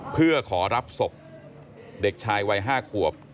เพื่อขอรับศพเด็กชายวัย๕ขวบ